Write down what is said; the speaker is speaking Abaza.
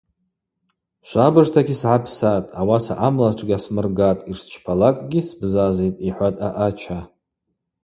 Швабыжтагьи сгӏапсатӏ, ауаса амла тшгьасмыргатӏ, йшсчпалакӏгьи сбзазитӏ, – йхӏватӏ аъача.